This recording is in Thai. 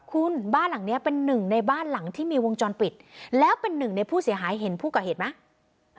คุณบ้านหลังนี้เป็นหนึ่งในบ้านหลังที่มีวงจรปิดแล้วเป็นหนึ่งในผู้เสียหายเห็นผู้ก่อเหตุไหม